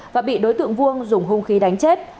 và bị đối tượng vuông dùng hung khí đánh chết